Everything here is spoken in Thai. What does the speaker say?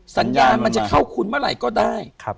สัญญาณมันจะเข้าคุณเมื่อไหร่ก็ได้